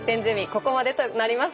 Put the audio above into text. ここまでとなります。